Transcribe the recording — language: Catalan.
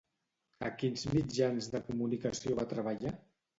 A quins mitjans de comunicació va treballar?